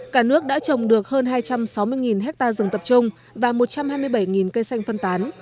cả nước đã trồng được hơn hai trăm sáu mươi ha rừng tập trung và một trăm hai mươi bảy cây xanh phân tán